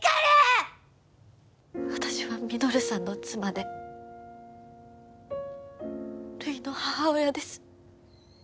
私は稔さんの妻でるいの母親です。